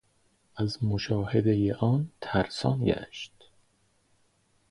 از مشاهدۀ آن ترسان گشت